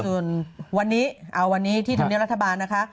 ส่วนวันนี้เอาวันนี้ที่ธรรมเนียบรัฐบาลนะคะ